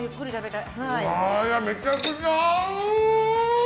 めちゃくちゃ合う！